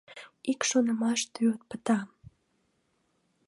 Ик шонымаш тӱвыт пыта.